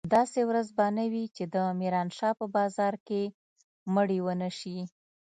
داسې ورځ به نه وي چې د ميرانشاه په بازار کښې مړي ونه سي.